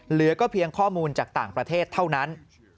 เหลือก็เพียงข้อมูลจากต่างประเทศเท่านั้น